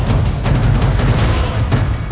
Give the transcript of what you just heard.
mengintip kwalan raja